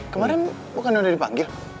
kemaren bukan udah dipanggil